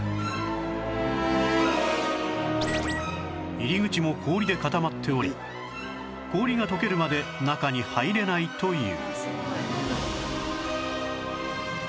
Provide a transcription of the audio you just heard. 入り口も氷で固まっており氷が溶けるまで中に入れないという